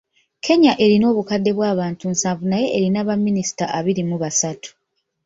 Kenya erina obukadde bw’abantu nsanvu naye erina baminisita abiri mu basatu.